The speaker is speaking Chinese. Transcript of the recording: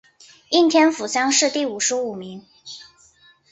应天府乡试第五十五名。